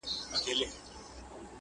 ستا د سونډو له ساغره به یې جار کړم